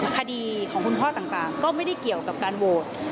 คดีของคุณพ่อต่างก็ไม่ได้เกี่ยวกับการโหวต